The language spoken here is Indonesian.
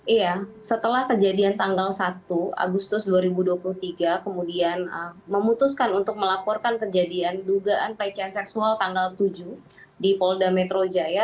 iya setelah kejadian tanggal satu agustus dua ribu dua puluh tiga kemudian memutuskan untuk melaporkan kejadian dugaan pelecehan seksual tanggal tujuh di polda metro jaya